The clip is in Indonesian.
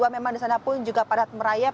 memang di sana pun juga padat merayap